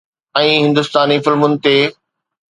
۽ هندستاني فلمن تي